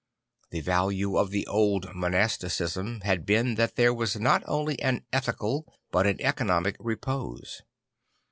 The value of the old monasticism had been that there was not only an ethical but an economic repose.